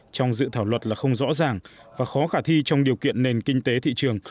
trong dự thảo luật là không rõ ràng và khó khả thi trong điều kiện nền kinh tế thị trường